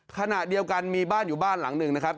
ขณะเดียวกันมีบ้านอยู่บ้านหลังหนึ่งนะครับ